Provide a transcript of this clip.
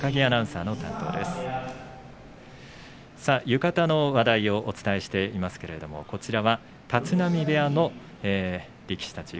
浴衣の話題をお伝えしていますがこちらは立浪部屋の力士たち